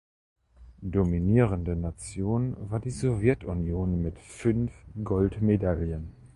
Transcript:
Dominierende Nation war die Sowjetunion mit fünf Goldmedaillen.